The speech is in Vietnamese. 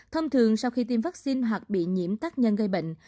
thông thường sau khi tiêm vaccine hoặc bị nhiễm tác nhân gây bệnh